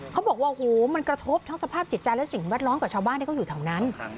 เขาบอกว่าโอ้โหมันกระทบทั้งสภาพจิตใจและสิ่งแวดล้อมกับชาวบ้านที่เขาอยู่แถวนั้น